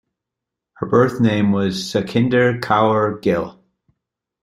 Her birth name was Sukhinder Kaur Gill.